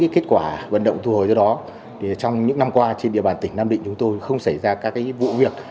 và vận động thu hồi do đó trong những năm qua trên địa bàn tỉnh đam định chúng tôi không xảy ra các vụ việc